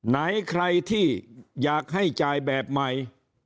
ไหนใครที่อยากให้จ่ายแบบใหม่